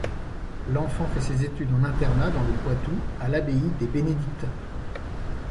L'enfant fait ses études en internat dans le Poitou à l'abbaye des Bénédictins.